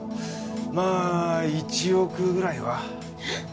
まあ１億ぐらいは。えっ！？